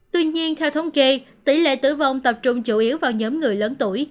tuy nhiên theo thống kê tỷ lệ tử vong tập trung chủ yếu vào nhóm người lớn tuổi